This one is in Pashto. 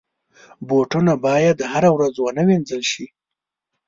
بوټونه باید هره ورځ ونه وینځل شي.